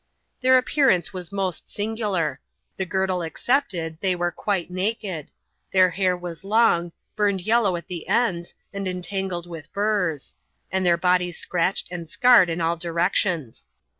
Their appearance was most singular. The girdle excepted, they were quite naked ; their hair was long, burned yellow at the ends, and entangled with burs ; and their bodies scratched and scarred in all directions.